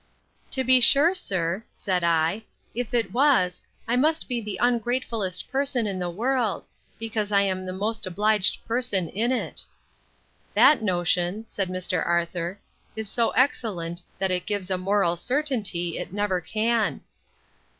To be sure, sir, said I, if it was, I must be the ungratefullest person in the world, because I am the most obliged person in it. That notion, said Mr. Arthur, is so excellent, that it gives a moral certainty it never can.